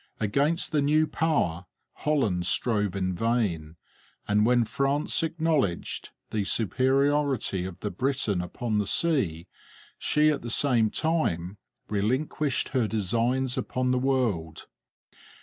Against the new power Holland strove in vain, and when France acknowledged the superiority of the Briton upon the sea, she at the same time relinquished her designs upon the world.